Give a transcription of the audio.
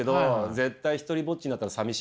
絶対独りぼっちになったらさみしい。